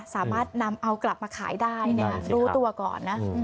สามารถนำเอากลับมาขายได้รู้ตัวก่อนนะ